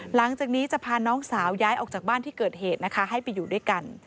หลังจากนี้จะพาน้องสาวย้ายออกจากบ้านที่เกิดเหตุนะคะให้ไปอยู่ด้วยกัน